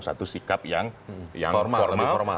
persikap yang formal